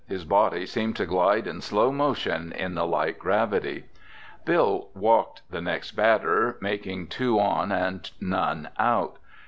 His body seemed to glide in slow motion in the light gravity. Bill walked the next batter, making two on and none out.